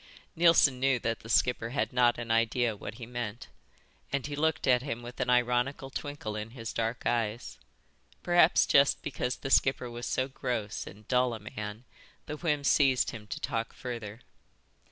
Neilson knew that the skipper had not an idea what he meant, and he looked at him with an ironical twinkle in his dark eyes. Perhaps just because the skipper was so gross and dull a man the whim seized him to talk further.